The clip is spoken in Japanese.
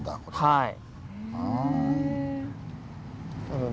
はい。